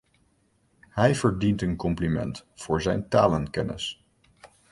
Hij verdient een compliment voor zijn talenkennis.